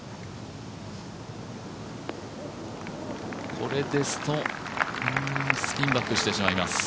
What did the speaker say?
これですとスピンバックしてしまいます。